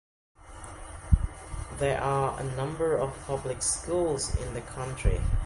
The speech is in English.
There are a number of public schools in the county.